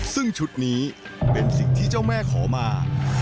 ซึ่งชุดนี้เป็นสิ่งที่เจ้าแม่ขอมา